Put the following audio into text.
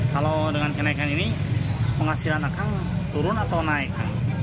kalau dengan kenaikan ini penghasilan akan turun atau naik